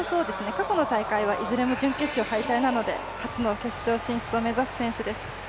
過去の大会はいずれも準決勝敗退なので初の決勝進出を目指す選手です。